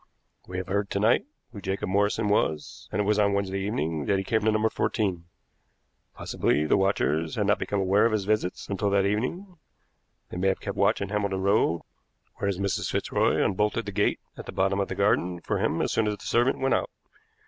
We have heard to night who Jacob Morrison was, and it was on Wednesday evenings that he came to No. 14. Possibly the watchers had not become aware of his visits until that evening; they may have kept watch in the Hambledon Road, whereas Mrs. Fitzroy unbolted the gate at the bottom of the garden for him as soon as the servant went out.